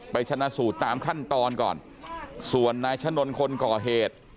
ชนะสูตรตามขั้นตอนก่อนส่วนนายชะนนคนก่อเหตุ